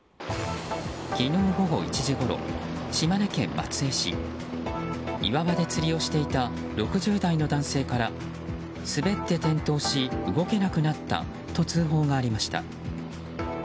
昨日午後１時ごろ島根県松江市岩場で釣りをしていた６０代の男性から滑って転倒し、動けなくなったと通報がありました。